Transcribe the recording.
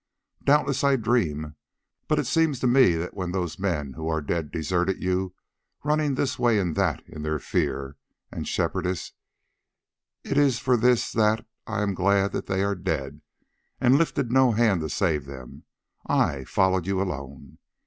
Doubtless I dream, but it seems to me that when those men who are dead deserted you, running this way and that in their fear—and, Shepherdess, it is for this that I am glad they are dead, and lifted no hand to save them—I followed you alone.